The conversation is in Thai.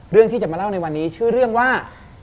เรื่องที่จะมาเล่าในวันนี้ชื่อเรื่องว่า